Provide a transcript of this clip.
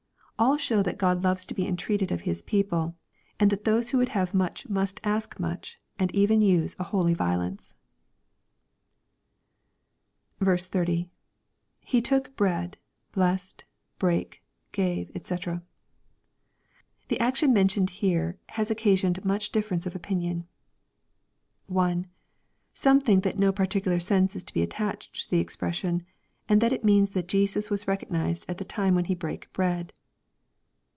All show that God loves to be entreated of His people, and that those who would have much must ask much, and even use a holy violence. 30. — [He took hread...hlessed...hrake...gave^ &c\ The action men tioned here has occasioned much difference of opinion. 1. Some think that no particular sense is to be attached to the expression, and that it means that Jesus was recognized at the time when He brake bread.